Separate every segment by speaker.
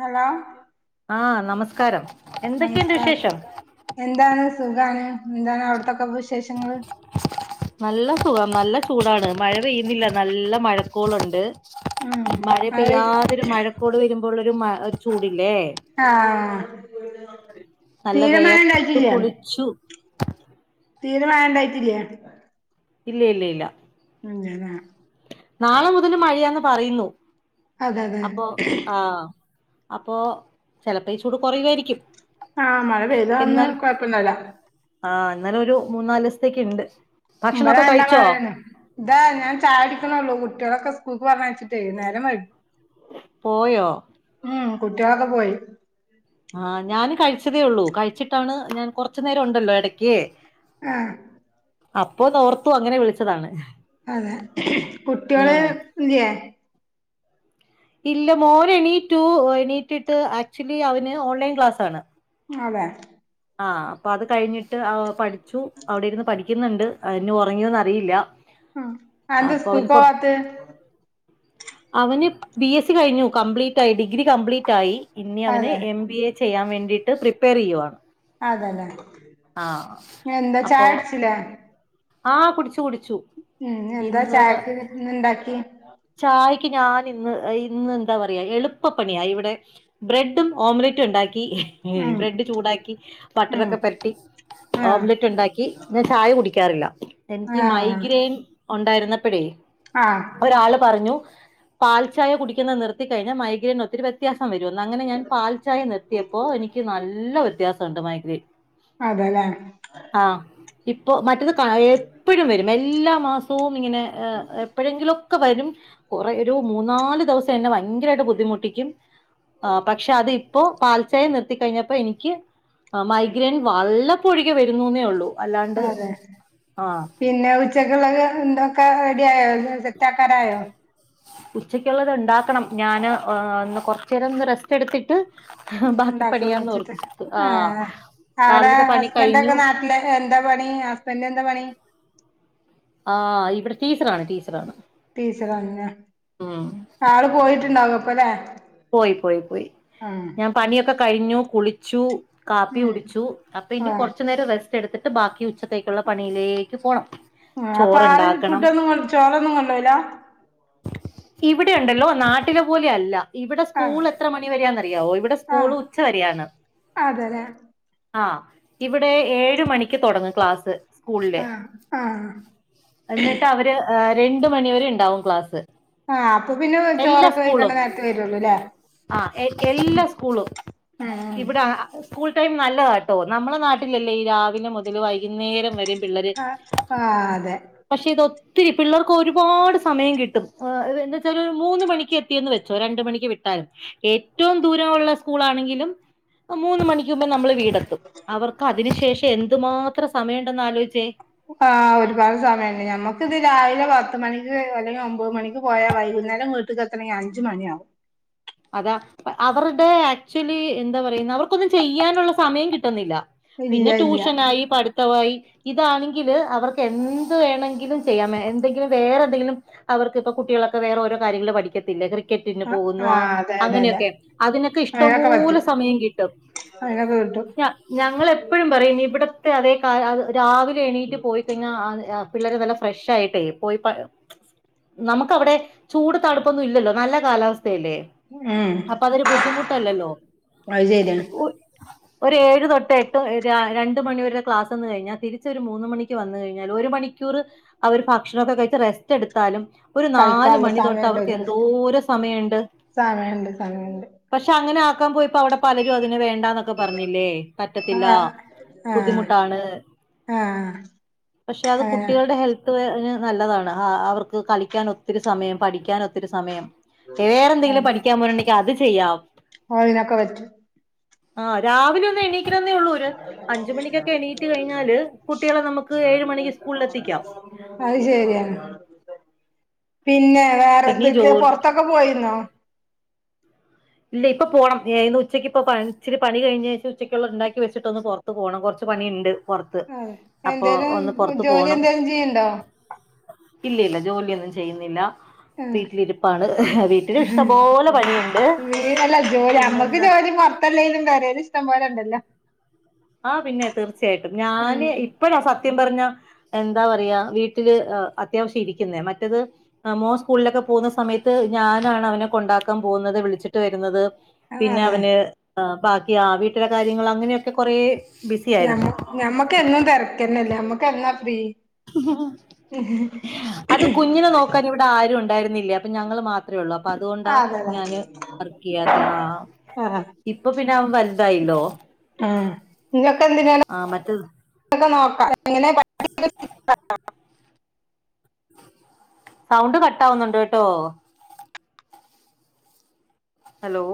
Speaker 1: Hello
Speaker 2: ആഹ് നമസ്കാരം എന്തൊക്കെയുണ്ട്
Speaker 1: നമസ്കാരം
Speaker 2: വിശേഷം
Speaker 1: എന്താണ് സുഖാണ് എന്താണ് അവിടത്തൊക്കെ വി
Speaker 2: നല്ല സുഖാ നല്ല ചൂടാണ് മഴ പെയ്യുന്നില്ല നല്ല മഴക്കോളുണ്ട് മഴ പെയ്യാതൊരു മഴക്കോള് വരുമ്പോള്ളരു മ ഒരു ചൂട് ടില്ലേ
Speaker 1: ആഹ്
Speaker 2: നല്ല
Speaker 1: തീരെ മഴ
Speaker 2: വെയർത്ത്
Speaker 1: ഇണ്ടായിട്ടില്ല
Speaker 2: കുളിച്ചു [inaudible]
Speaker 1: തീരെ മഴണ്ടായിട്ടില്ല
Speaker 2: ഇല്ല ഇല്ല ഇല്ല
Speaker 1: അതേലേ
Speaker 2: നാളെ മുതൽ മഴയാന്ന് പറയുന്നു
Speaker 1: അതെ അതെ
Speaker 2: അപ്പൊ ആഹ് അപ്പൊ ചിലപ്പോ ചൂട് കൊറയവായിരിക്കും
Speaker 1: ആഹ മഴ പെയ്തന്ന് കൊഴപ്പണ്ടാവൂല്ല
Speaker 2: ആഹ ഇന്നലൊരു മൂന്നാലിസത്തേക്ക്ണ്ട്
Speaker 1: ഇമ്പടെ നല്ല മഴാണ്. ഇതാ ഞാൻ ചായടിക്കണള്ളൂ കുട്ടികളൊക്കെ സ്കൂൾക്ക് പറഞ്ഞയച്ചി നേരം വൈകി.
Speaker 2: പോയോ
Speaker 1: ഉം കുട്ടികളൊക്കെ പോയി
Speaker 2: ആഹ ഞാന് കഴിച്ചതേ ഉള്ളൂ കഴിച്ചിട്ടാണ് ഞാൻ കൊറച്ചു നേരം ഉണ്ടല്ലോ ഇടക്കേ
Speaker 1: ആഹ്
Speaker 2: അപ്പൊ തോർത്തു അങ്ങനെ വിളിച്ചതാണ്
Speaker 1: അതെ കുട്ടികള്
Speaker 2: ഉം
Speaker 1: ഇല്ല്യേ
Speaker 2: ഇല്ല മോൻ എണീറ്റു എണീറ്റിട്ട് ആക്ച്വലി അവന് ഓൺലൈൻ ക്ലാസാണ്
Speaker 1: അതെ
Speaker 2: ആഹ അപ്പൊ അത് കഴിഞ്ഞിട്ട് പഠിച്ചു അവിടെ ഇരുന്ന് പഠിക്കുന്നുണ്ട് അതി ഞ്ഞ് ഉറങ്ങ്യോന്ന് അറിയില്ല
Speaker 1: അന്ത
Speaker 2: അപ്പൊ അവന് കൊറ
Speaker 1: സ്കൂക്കോവാത്തെ
Speaker 2: അവന് ബി എസ് സി കഴിഞ്ഞു complete I D degree complete ആയി ഇനി അവന്
Speaker 1: അതെ
Speaker 2: എം ബി എ ചെയ്യാൻ വേണ്ടിയിട്ട് പ്രിപ്പയർ ചെയ്യുവാ
Speaker 1: അതെല്ലേ എന്താ ചായുടിച്ചില്ലേ?
Speaker 2: ആഹ് കുടിച്ചു കുടിച്ചു.
Speaker 1: ഉം എന്താ
Speaker 2: ഇന്ന്
Speaker 1: ചായക്ക് ഇന്ന് ഇണ്ടാക്കിയേ?
Speaker 2: ചായക്ക് ക്ക് ഞാൻ ഇന്ന് ഇന്ന് എന്താ പറയാ എളുപ്പപ്പണിയ ഇവിടെ ബ്രെഡും ഓംലറ്റുണ്ടാക്കി ക്കി
Speaker 1: ഉം
Speaker 2: ബ്രെഡ് ചൂടാക്കി ബട്ടർ
Speaker 1: ഉം
Speaker 2: ഒക്കെ പെരട്ടി
Speaker 1: ആഹ്
Speaker 2: ഓംലറ്റുണ്ടാക്കി ദേ ചാ കുടിക്കാറില്ല എനിക്കി
Speaker 1: ആഹ്
Speaker 2: മൈഗ്രേൻ ഒണ്ടായിരുന്നപ്പഴേ
Speaker 1: ആഹ്
Speaker 2: ഒരാള് പറഞ്ഞു പാൽചായ കുടിക്കുന്നത് നിർത്തി കഴിഞ്ഞ മൈഗ്രീന് ഒത്തിരി വ്യത്യാസ വ്യത്യാസംവരുന്ന് അങ്ങനെ ഞാൻ പാൽച്ചായ നിർത്തിയപ്പോ എനിക്ക് നല്ല വ്യത്യാസ ഉണ്ട് മൈഗ്രീൻ.
Speaker 1: അതെല്ലേ
Speaker 2: ആഹ്. ഇപ്പൊ മറ്റത് എപ്പോഴും വരും എല്ലാ മാസവും ഇങ്ങനെ എപ്പോഴെങ്കിലും ഒക്കെ വരും കുറേ ഒരു മൂന്നാല് ദിവസം എന്നെ ഭയങ്കരായിട്ട് ബുദ്ധിമുട്ടിക്കും. ആ പക്ഷെ അത് ഇപ്പോ പാൽച്ചായ നിർത്തിക്കഴിഞ്ഞപ്പോ എനിക്ക് മൈഗ്രയിൻ വല്ലപ്പോഴൊകെ വരുന്നുന്നെ ഒള്ളൂ.
Speaker 1: അതെ പിന്നെ ഉച്ചക്കുള്ളൊക്കെ എന്താ ഒക്കെ റെഡിയായോ സെറ്റ് ആക്കാൻആയോ?
Speaker 2: ഉച്ചക്കുള്ളത് ഉണ്ടാക്കണം ഞാന് ഒന്ന് കൊറച്ചേരൊന്ന് റെസ്റ്റ് എടുത്തിട്ട്. ബാക്കി
Speaker 1: ഉണ്ടാക്കുള്ളൂ വെച്ചിട്ട്
Speaker 2: പണിയാന്നോർത്തു ആഹ്.
Speaker 1: അവിടെ
Speaker 2: രാവിലത്തെ പണി
Speaker 1: ഹസ്ബൻഡ്
Speaker 2: കഴിഞ്ഞു
Speaker 1: ഒക്കെ നാട്ടില് എന്താ പണി ഹസ്ബൻഡ് എന്താ പണി?
Speaker 2: ആ ഇവിടെ ടീച്ചറാണ് ടീച്ചർ ആണ്.
Speaker 1: ടീച്ചറാണ് ലെ ആള് പോയിട്ടുണ്ടാവും അപ്പൊ അല്ലേ.
Speaker 2: പോയി പോയി പോയി ഞാൻ പണിയൊക്കെ കഴിഞ്ഞു കുളിച്ചു. കാപ്പി
Speaker 1: ഉം
Speaker 2: കുടിച്ചു അപ്പൊ ഇനി
Speaker 1: ആഹ്
Speaker 2: കൊറച്ചു നേരം റെസ് റെസ്റ്റ് എടുത്തിട്ട് ബാക്കി ഉച്ചത്തേക്കുള്ള പണിയിലേക്ക് പോണം.
Speaker 1: ആ അപ്പൊ ആള്
Speaker 2: ചോറുണ്ടാക്കണം
Speaker 1: ഫുഡൊന്നും ചോറൊന്നും കൊണ്ടോകൂല?
Speaker 2: ഇവിടെ ഉണ്ടല്ലോ നാട്ടിലെ പോലെ അല്ല. ഇവിടെ
Speaker 1: ആഹ്
Speaker 2: സ്കൂൾ എത്ര മണി വരേന്നറിയമോ ഇവിടെ
Speaker 1: ആഹ്
Speaker 2: സ്കൂള് ഉച്ച വരെയാണ്.
Speaker 1: അതെല്ലേ
Speaker 2: ആ ഇവിടെ ഏഴ് മണിക്ക് തുടങ്ങും ക്ലാസ്. സ്കൂളിലെ
Speaker 1: ആഹ് ആഹ്
Speaker 2: എന്നിട്ട് അവര് രണ്ട് മണിവരെ ഇണ്ടാവും ക്ലാസ്.
Speaker 1: ആഹ് അപ്പൊ പിന്നെ
Speaker 2: എല്ലാ
Speaker 1: ചോറൊക്കെ
Speaker 2: സ്കൂളും
Speaker 1: കഴിക്കണ്ട നേരത്തെ വരുള്ളൂല്ലേ
Speaker 2: ആ എ
Speaker 1: ഉം
Speaker 2: എല്ലാ സ്കൂളും.
Speaker 1: ഉം
Speaker 2: ഇവിടെ അ സ്കൂൾ ടൈം നല്ലതാട്ടോ നമ്മളെ നാട്ടിലല്ലേ ഈ രാവിലെ മുതൽ വൈകുന്നേരം വരെ പിള്ളാര്
Speaker 1: ആഹ് ആഹ് അതെ
Speaker 2: പക്ഷെ ഇത് ഒത്തിരി പിള്ളാർക്ക് ഒരുപാട് സമയം കിട്ടു, എന്തച്ചാല് മൂന്ന് മൂന്ന് മണിക്ക് എത്തിയന്ന് വെച്ചോ രണ്ട മണിക്ക് വിട്ടാല് ഏറ്റവും ദൂരമള്ള സ്കൂൾ ആണെങ്കിലും മൂന്ന മണിക്കുമുമ്പേ നമ്മള് വീടെത്തും അവർക്ക് അതിനു ശേഷം എന്തുമാത്രം സമയണ്ടെന്ന് ആലോചിച്ചേ?
Speaker 1: ആഹ് ഒരുപാട് സമയുണ്ട് ഞമ്മക്ക് ഇത് രാവിലെ പ പത്ത് മണിക്ക് അല്ലെങ്കിൽ ഒമ്പത് മണിക്ക് പോയാൽ ഒൻപത്‌ മണിക്ക് പോയാൽ വൈകുന്നേരം വീട്ടുക്ക് എത്തണെങ്കിൽ അഞ്ച് മണിയാകും.
Speaker 2: അതാ അവരുടെ ആക്ച്വലി എന്താ പറയുന്ന അവർക്കൊന്നും ചെയ്യാനുള്ള സമയം കിട്ടുന്നില്ലാ. പിന്നെ
Speaker 1: ഇല്ല ഇല്ല
Speaker 2: ട്യൂഷനായി പഠിത്തവായി. ഇതാണെങ്കില് അവർക്ക് എന്ത് വേണമെങ്കിലും ചെയ്യാം എന്തെങ്കിലും വേറെ എന്തെങ്കിലും അവർക്ക് ഇപ്പ കുട്ടി കുട്ടികളൊക്കെ വേറെ ഓരോ കാര്യങ്ങള് പഠിക്കത്തിലേ ക്രിക്കറ്റിന്
Speaker 1: ആഹ്
Speaker 2: പോകുന്നു ആ
Speaker 1: ആഹ് അതെ അതെ അതെ
Speaker 2: അങ്ങനെയൊക്കെ അതിനൊക്കെ ഇഷ്ടംപോലെ സമയം കിട്ടും.
Speaker 1: അതിനൊക്കെ കിട്ടും
Speaker 2: ഞങ്ങ ഞങ്ങൾ എപ്പോഴും പറയും നീ ഇവിടു ത്തെ അതേ രാവിലെ എണീറ്റ് പോയിക്കഴിഞ്ഞാൽ പിള്ളേര് വല്ല ഫ്രഷ് ആയിട്ടെയ് പോയി പ നമുക്ക് അവിടെ ചൂട് തണുപ്പൊന്നും ഇല്ലല്ലോ നല്ല കാലാവസ്ഥയല്ലേ?
Speaker 1: ഉം
Speaker 2: അപ്പ അതൊരു ബുദ്ധിമുട്ടല്ലല്ലോ?
Speaker 1: അത് ശരിയാണ്
Speaker 2: ഒരു ഏഴ് തൊട്ട് എട്ട് രണ്ട് മണിവരുടെ ക്ലാസ് വന്ന് കഴിഞ്ഞാൽ തിരിച്ച ഒരു മൂന്ന് മണിക്ക് വന്ന് കഴിഞ്ഞാൽ ഒരു മണിക്ക് ക്കുറ് അവര് ഭക്ഷണം ഒക്കെ കഴിച്ച് റെസ്റ്റ് എടുത്താലും. ഒരു നാല്
Speaker 1: കളിക്കാനുള്ള
Speaker 2: മണി തൊട്ട്
Speaker 1: സമയണ്ട്
Speaker 2: അവർക്ക് എന്തോരേ സമയഉണ്ട്.
Speaker 1: സമയുണ്ട് സമയുണ്ട്.
Speaker 2: ഇപ്പൊ അവിടെ പലരും അതിനെ വേണ്ടാന്നൊക്കെ പറഞ്ഞില്ലേ, പറ്റത്തില്ല.
Speaker 1: ആഹ് ആഹ്
Speaker 2: ബുദ്ധിമുട്ടാണ്
Speaker 1: ആഹ്
Speaker 2: പക്ഷെ അത്
Speaker 1: അങ്ങനെ
Speaker 2: കുട്ടികളുടെ ഹെൽത്ത് അയിന് നല്ലതാണ് അ അവർക്ക് കളിക്കാൻ ഒത്തിരി സമയം പഠിക്കാൻ ഒത്തിരി സമയം
Speaker 1: ആ
Speaker 2: വേറെന്തെങ്കിലും [unintelligible] അത് ചെയ്യാം
Speaker 1: ഓ ഇനൊക്കെ വെച്ച്
Speaker 2: ആ രാവിലെ ഒന്ന് എണീ ക്കണെന്ന് ഉള്ളൂ അഞ്ച് മണിക്കൊക്കെ എണീറ്റ് കഴിഞ്ഞാല് കുട്ടികളെ നമുക്ക് ഏഴ് മണിക്ക് സ്കൂളില് എത്തിക്കാം
Speaker 1: അയ് ശരിയാണ് പിന്നെ വേറെ
Speaker 2: പിന്നെ ഈ
Speaker 1: എന്തൊക്കെ
Speaker 2: ജോലി
Speaker 1: പൊറത്തൊക്കെ പോയിന്നോ
Speaker 2: ഇല്ല ഇപ്പൊ പോണം ഇന്നുച്ചക്കിപ്പം പണി ഇിച്ചിരി പണി കഴിഞ്ഞ് ഉച്ചക്കൊള്ള ഉണ്ടാക്കി വെച്ചിട്ട് ഒന്ന് പൊറത്ത് പോണം കൊറ് പണിയണ്ട് പൊറത്ത് അപ്പൊ
Speaker 1: എന്തേലും
Speaker 2: ഒന്ന് പൊറത്ത്
Speaker 1: ജോലി
Speaker 2: പോണം
Speaker 1: എന്തേലും ചെയ്യണ്ടോ
Speaker 2: ഇല്ല ഇല്ല ജോലിയൊന്നും ചെയ്യുന്നില്ല
Speaker 1: ഉം
Speaker 2: വീട്ടിലിരിപ്പാണ് വീട്ടില് ഇഷ്ടംപോലെ പണിയിണ്ട്
Speaker 1: [unintelligible] ജോലി നമ്മക്ക് ജോലി പൊറത്തല്ലെലും പെരെല് ഇഷ്ടം പോലെ ഉണ്ടല്ലോ
Speaker 2: ആ പിന്നെ തീർച്ചയായിട്ടും
Speaker 1: ഉം
Speaker 2: ഞാന് ഇപ്പഴ സ ത്യം പറഞ്ഞ എന്താ പറയാ വീട്ടില് അത്യാവശ്യം ഇരിക്കുന്നേ മറ്റത് മോൻ സ്കൂളിലക്കെ പോവുന്ന സമയത്ത് ഞാനാണ് അവനെ കൊണ്ടാക്കാൻ പോവുന്നത് വിളിച്ചിട്ട് വെരുന്നത് പിന്നെ
Speaker 1: അതെ
Speaker 2: അവന് ബാക്കിയ വീട്ടിലെ കാര്യങ്ങള് അങ്ങനെയൊക്കെ കൊറെ
Speaker 1: ഞമ്മ ഞമ്മക്ക് എന്നും തെരക്കനല്ലേ ഞമ്മക്ക് എന്നാ ഫ്രീ
Speaker 2: അത് കുഞ്ഞിനെ നോക്കാൻ ഇവിടെ ആരും ഒണ്ടായി ന്നില്ല അപ്പൊ ഞങ്ങള് മാത്രേ ഒള്ളൂ അപ്പൊ അതുകൊണ്ടാ
Speaker 1: അതെതെ
Speaker 2: ഞാന് വർക്ക് ചെയ്യാത്ത ആ
Speaker 1: ആ
Speaker 2: ഇപ്പൊ പിന്നെ അവൻ വലുതായില്ലോ
Speaker 1: ആ നിങ്ങക്കെ എന്തിന
Speaker 2: ആ മറ്റേ
Speaker 1: [unintelligible]
Speaker 2: സൗണ്ട് കട്ടാവുന്ന് ട്ടോ ഹലോ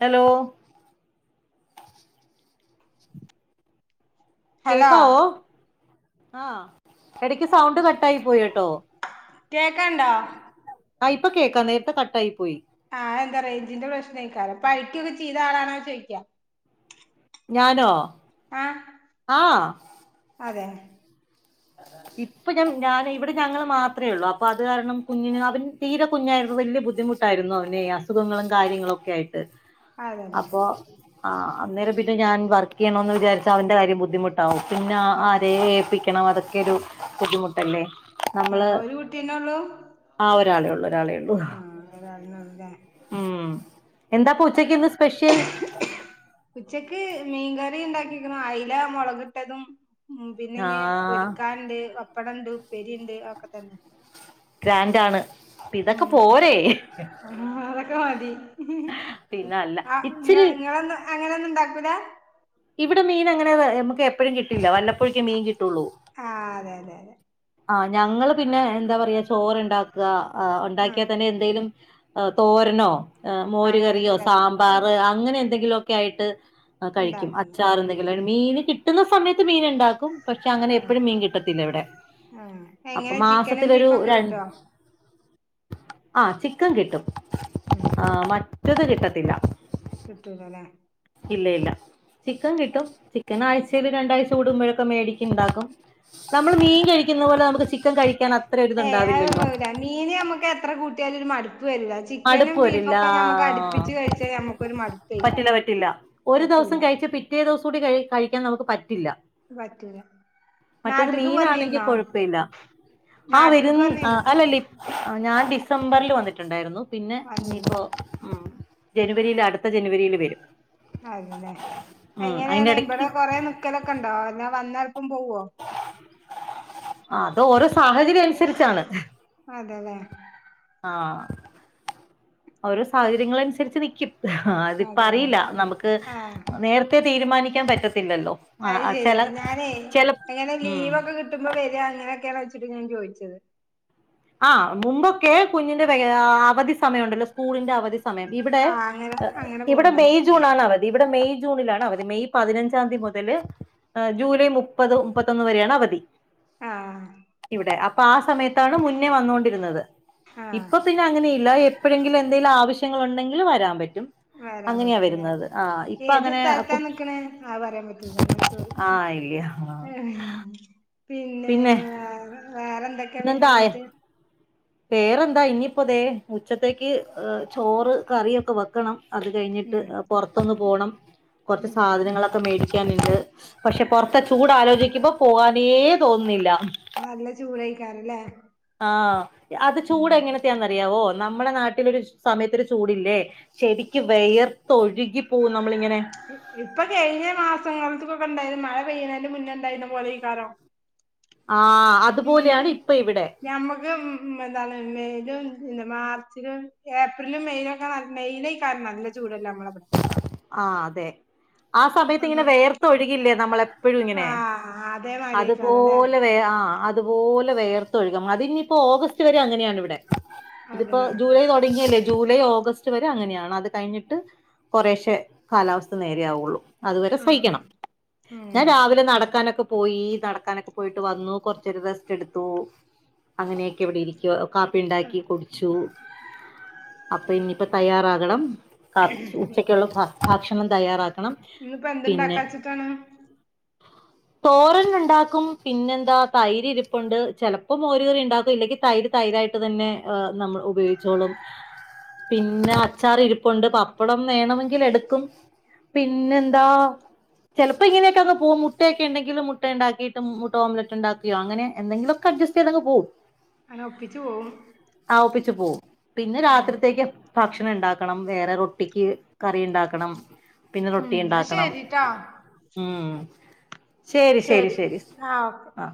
Speaker 2: ഹലോ
Speaker 1: ഹലോ
Speaker 2: കേക്കാവോ ആ എടക്ക് സൗണ്ട് ക ട്ടായി പോയേട്ടോ
Speaker 1: കേക്കണ്ടോ
Speaker 2: ആ ഇപ്പ കേക്കാം നേരത്തെ കട്ടായി പോയി
Speaker 1: ആ എന്താ റേഞ്ചിന്റെ പ്രശ്നായ്കാരം പടിക്കൊക്കെ ചെയ്ത ആളാണോ എന്ന് ചോദിക്യ
Speaker 2: ഞാനോ
Speaker 1: ആ
Speaker 2: ആഹ്
Speaker 1: അതെ
Speaker 2: ഇപ്പൊ ഞാൻ ഞാൻ ഇവിടെ ഞങ്ങള് മാത്രേ ഉള്ളൂ അപ്പൊ അത് കാരണം കുഞ്ഞിന് അവന് തീരെ കുഞ്ഞായിരുന്നു വലിയ ബുദ്ധിമുട്ടായിരുന്നു അവനെ അസുഖങ്ങളും കാര്യങ്ങളും ഒക്കെ ആയിട്ട്
Speaker 1: അതെ ലെ
Speaker 2: ആ അന്നേരം പിന്നെ ഞാൻ വർക്ക് ചെയ്യണോന്ന് വിചാരിച്ച അവന്റെ കാര്യം ബുദ്ധിമുട്ടാവും പിന്നെ ആ
Speaker 1: അതെ
Speaker 2: ആരേം ഏല്പി ക്കണം അതൊക്കെ ഒരു ബുദ്ധിമുട്ടല്ലേ
Speaker 1: ആ
Speaker 2: നമ്മള്
Speaker 1: ഒരു കുട്ടിയന്നെ ഒള്ളൂ
Speaker 2: ആ ഒരാളേ ഉള്ളൂ ഒരാളേ ഉള്ളൂ
Speaker 1: ആ അതന്നല്ലെ
Speaker 2: ഉം എന്താപ്പൂച്ചക്കിന്ന് സ്പെഷിൽ
Speaker 1: അയല മുളകിട്ടതും ഉം പിന്നിനി
Speaker 2: ആഹ്
Speaker 1: പൊരിക്കാണ്ട് പപ്പടണ്ട് ഉപ്പേരിയിണ്ട് അതൊക്കെ തന്നെ
Speaker 2: ഗ്രാന്റാണ് പിതൊക്കെ പോരെ
Speaker 1: ക്കമതി
Speaker 2: പിന്നെ അല്ല
Speaker 1: ആ ഇങ്ങ
Speaker 2: ഇച്ചിരി
Speaker 1: ഇങ്ങളൊന്നും അങ്ങനെയൊന്നും ഇണ്ടാക്കൂല
Speaker 2: ഇവിടെ മീൻ അങ്ങനെ നമുക്ക് എപ്പഴും കിട്ടില്ല വല്ലപ്പോഴക്കെ മീൻ കിട്ടുള്ളൂ
Speaker 1: ആഹ് അതെ അതെ അതെ
Speaker 2: ആ ഞങ്ങള് പിന്നെ എന്താ പറയാ ചോറ് ഇണ്ടാക്കുക ഒണ്ടാക്കിയാ
Speaker 1: ആഹ്
Speaker 2: തന്നെ എന്തേലും തോരനോ മോരുകറിയോ
Speaker 1: അങ്ങനെന്തേലൊക്കെ
Speaker 2: സാമ്പാറ് അങ്ങനെ എന്തെങ്കിലൊക്കെ ആയിട്ട് കഴിക്കും
Speaker 1: ഉണ്ടാക്കുന്നു
Speaker 2: അച്ചാറ് എന്തെങ്കിലും
Speaker 1: അതെ
Speaker 2: മീന് കിട്ടുന്ന സമേ ത്ത് മീന്ണ്ടാക്കും പക്ഷെ അങ്ങനെ എപ്പോഴും മീൻ കിട്ടത്തില്ല ഇവടെ
Speaker 1: ആ എങ്ങനെ ചിക്കനും ബീഫൊക്കെ
Speaker 2: രണ്ട്
Speaker 1: കിട്ടുവോ
Speaker 2: ആ ചിക്കൻ കിട്ടും
Speaker 1: ഉം
Speaker 2: ആ [unintelligible] കിട്ടത്തില്ല
Speaker 1: കിട്ടൂലല്ലേ
Speaker 2: ഇല്ല, ഇല്ല ചിക്കൻ കിട്ടും ചിക്കൻ ആഴ്ചൽ രണ്ടാഴ്ച കൂടുമ്പോഴൊക്കെ മേടിക്കും ഉണ്ടാക്കും നമ്മൾ മീൻ കഴിക്കും ക്കുന്ന പോലെ നമുക്ക് ചി
Speaker 1: ഏയ് അത് [unintelligible] മീന് നമ്മുക്ക് എത്ര കൂട്ടിയാലും ഒരു മടുക്കും വരുല ചിക്കനും
Speaker 2: മടുപ്പ്
Speaker 1: ബീഫ
Speaker 2: വരില്ല
Speaker 1: ഒക്കെ മ്മക്ക് അടുപ്പിച്ച് കഴിച്ചാൽ നമുക്ക ഒരു മടുപ്പയ്ക്കാരം
Speaker 2: പറ്റില്ല പറ്റില്ല ഒരു ദിവസം കഴിച്ച് പിറ്റേ ദിവസം കൂടി കഴിക്കാൻ നമുക്ക് പറ്റില്ല
Speaker 1: പറ്റൂല്ല
Speaker 2: മറ്റത് മീനാണെങ്കിൽ കൊഴപ്പമില്ല ആ വരും
Speaker 1: നാട്ടിൽക്ക് വന്നിരുന്നോ
Speaker 2: അല്ല ല ഞാൻ ഡിസംബറിൽ വന്നിട്ടുണ്ടായിരുന്നു പിന്നെ
Speaker 1: വന്നിരുന്നു
Speaker 2: ഇനിയിപ്പോ ഉമ് ജനുവരിയില് അടുത്ത ജനുവരിയില് വരും
Speaker 1: അതല്ലേ
Speaker 2: ഉം അതിന്റെ
Speaker 1: എങ്ങനെയാണ് ഇവിടെ
Speaker 2: ഇടയ്ക്ക്
Speaker 1: കൊറെ നിക്കലൊക്കെ ഉണ്ടോ എല്ലേ വന്നാൽ [unintelligible] പോവോ
Speaker 2: അത് ഓരോ സാഹചര്യം അനുസരിച്ചാണ്
Speaker 1: അതെല്ലേ
Speaker 2: ആ ഓരോ സാഹചര്യങ്ങളൾ അനുസരിച്ച് നൽക്കും ആഹ അതിപ്പ
Speaker 1: അതെ
Speaker 2: അറിയില്ല
Speaker 1: അതെ
Speaker 2: നമുക്ക്
Speaker 1: ആഹ്
Speaker 2: നേരത്തെ തീരുമാനിക്കാൻ പറ്റത്ത
Speaker 1: അത് ശരിയാണ് ഞാനേ
Speaker 2: ചെല
Speaker 1: എങ്ങനെ
Speaker 2: ഉം
Speaker 1: ലീവൊക്കെ കിട്ടുമ്പോ വരാണ് അങ്ങനെയൊക്കെയണ അതാ ചോദിച്ചത്
Speaker 2: ആ മുമ്പൊക്കെ കുഞ്ഞിന്റെ അവധി സമയം ഉണ്ടല്ലോ സ്കൂളിന്റെ അവധി സമയം ഇവിടെ
Speaker 1: ആഹ് അങ്ങനെ അങ്ങനെ
Speaker 2: ഇവിടെ
Speaker 1: പോവണ്ടാവും
Speaker 2: മെയ് ജൂൺ ആണ് അവധി ഇവിടെ മെയ് ജൂണിലാണ് അവധി മെയ് പതിനഞ്ചാം തീയതി മുതൽ ജൂലൈ മുപ്പത് മുപ്പത്തൊന്ന് വരെയാണ് അവധി
Speaker 1: ആഹ്
Speaker 2: ഇവിടെ അപ്പൊ ആ സമയത്താണ് വന്നോണ്ടിരുന്നത്
Speaker 1: ആഹ്
Speaker 2: ഇപ്പൊ പിന്നെ അങ്ങനെയില്ല എപ്പോഴെങ്കിലും എന്തെങ്കിലും ആവശ്യങ്ങൾ ഉണ്ടെങ്കിൽ വരാൻ പറ്റ
Speaker 1: വരാൻ
Speaker 2: അങ്ങനെയാ
Speaker 1: പറ്റില്ലേ
Speaker 2: വരുന്നത് ആ ഇപ്പൊ
Speaker 1: ഏത്
Speaker 2: അങ്ങനെ
Speaker 1: സ്ഥലത്താ നിക്കണേ അത് പറയാൻ പറ്റൂലല്ലോ സോറി
Speaker 2: ആഹ ഇല്ലേ ആഹ
Speaker 1: പിന്നെ വേറെ എന്തൊക്കെയാ പിന്നെ
Speaker 2: ഇന്നെന്താ
Speaker 1: എന്നിട്ട്
Speaker 2: വേറെന്താ ഇനിയിപ്പോതെ ഉച്ചത്തേക്ക് ചോറ് കറിയൊക്കെ വെക്കണം അത് കഴിഞ്ഞിട്ട്
Speaker 1: ഉം
Speaker 2: പുറത്തൊന്ന് പോണം കുറച്ച്
Speaker 1: ഉം
Speaker 2: സാധനങ്ങളൊക്കെ മേടിച്ച ക്കാൻ ഉണ്ട് പക്ഷെ പൊറത്തെ ചൂട് ആലോചിക്കുമ്പോ പോകാനേ തോന്നുന്നില്ല
Speaker 1: നല്ല ചൂടഴിക്കാരല്ലേ
Speaker 2: ആഹ അത് ചൂട് എങ്ങനത്തെയാന്നറിയാവോ നമ്മുടെ നാട്ടിലരു സമയത്തോരു ചൂടല്ലേ ശെരിക്കും വിയർത്ത് ഒഴുകി
Speaker 1: ഇപ്പൊ കഴിഞ്ഞ മാസങ്ങളാലത്തക്കൊക്കെ ഇണ്ടായിരുന്നു മഴ പെയ്യുന്നതിന്റെ മുന്നെണ്ടായിരുന്ന പോലെയ്ക്കാരം
Speaker 2: ആഹ്
Speaker 1: ഉമ്
Speaker 2: അതുപോലെയാണ് ഇപ്പൊ ഇവിടെ
Speaker 1: ഞമ്മക്ക് എന്താണ് മാർച്ചിലും, ഏപ്രിലും, മെയിലൊക്കെ മെയയില കാരണം നല്ല ചൂടണ്ടാകാ നമ്മളവിടെ
Speaker 2: ആ അതെ ആ സമയത്ത്
Speaker 1: അങ്ങ
Speaker 2: ഇങ്ങനെ വേർത്ത ഒഴുകില്ലേ നമ്മളെപ്പോഴും ഇങ്ങനെ
Speaker 1: ആഹ് അതേമാതിരിക്കാരല്ലേ
Speaker 2: അതുപോലെേ ആഹ അഹ അതുപോലെ വേയർത്തൊഴുകും അതിഇനിയിപ്പോ ഓഗസ്റ്റ് വരെ അങ്ങനെയാണ് ഇവിടെ ഇതിപ്പോ
Speaker 1: അതെല്ലേ
Speaker 2: ജൂലൈ തുടങ്ങിയല്ലേ ജൂലൈ ഓഗസ്റ്റ് വരെ അങ്ങനെയാണ് അത് കഴിഞ്ഞിട്ട് കുറേ പക്ഷ കാലാവസ്ഥ നേരെയാവുള്ളൂ അതുവരെ
Speaker 1: ആഹ്
Speaker 2: സഹിക്കണം
Speaker 1: ഉം
Speaker 2: ഞാൻ രാവിലെ നടക്കാനൊക്കെ പോയി നടക്കാനൊക്കെ പോയിട്ട് വന്നു കൊറച്ചൊരം റെസ്റ്റ് എടുത്തു അങ്ങനെയൊക്കെ ഇവിടെ ഇരിക്ക കാപ്പി ഉണ്ടാക്കി കുടിച്ചു അപ്പം ഇനിപ്പം തയ്യാറാകണം. കാ ഉച്ച ഭക്ഷണം തയ്യാറാക്കണം
Speaker 1: ഇന്നിപ്പോ
Speaker 2: പിന്നെ
Speaker 1: എന്തുണ്ടാക്കാച്ചിട്ടാണ്
Speaker 2: തോരൻ ഉണ്ടാക്കും പിന്നെന്താ തൈരി ഇരിപ്പുണ്ട് ചിലപ്പോം മോരുകറി ഉണ്ടാക്കും ഇല്ലെങ്കിൽ തൈര് തൈര് യിട്ട് തന്നെ നമ്മൾ ഉപയോഗിച്ചോളും പിന്നെ അച്ചാറിരിപ്പുണ്ട് പപ്പടം വേണമെങ്കിൽ എടുക്കും പിന്നെ എന്താ ചിലപ്പോ ഇങ്ങനൊക്കെ അങ് പോക മുട്ടയക്കെ ഉണ്ടെങ്കിലിൽ മുട്ട ഉണ്ടാക്കിയിട്ട് മുട്ട ഓംലെറ്റ് ഉണ്ടാക്കിയോ അങ്ങെനെ എന്തെങ്കിലുംൊക്കെ ജസ്റ്റീതങ് പോവും
Speaker 1: അന ഒപ്പിച്ചു പോവും
Speaker 2: ആ ഒപ്പിച്ച് പോവും പിന്നെ
Speaker 1: ഉം
Speaker 2: രാത്രിത്തേക്ക് ഭക്ഷണം ണ്ടാക്കണം വേറെ ൊട്ടിക്ക് കറി ണ്ടാക്കണം. പിന്നെ
Speaker 1: ഉം
Speaker 2: റൊട്ടി
Speaker 1: എന്നാ
Speaker 2: ഇണ്ടാക്കണം
Speaker 1: ശരിട്ടോ
Speaker 2: ഉം ശരി ശരി ശരി
Speaker 1: ആഹ് ഓക്കെ
Speaker 2: ആ